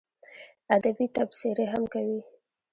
ادبي تبصرې هم کوي.